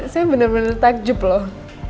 saya bener bener takjub loh